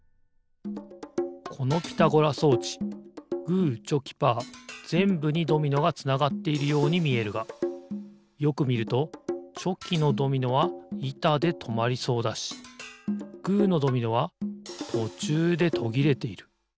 このピタゴラ装置グーチョキーパーぜんぶにドミノがつながっているようにみえるがよくみるとチョキのドミノはいたでとまりそうだしグーのドミノはとちゅうでとぎれている。